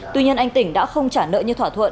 tuy nhiên anh tỉnh đã không trả nợ như thỏa thuận